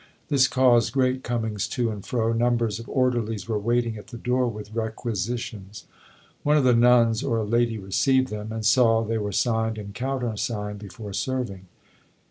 This caused great comings to and fro; numbers of orderlies were waiting at the door with requisitions. One of the nuns or a lady received them, and saw they were signed and countersigned before serving.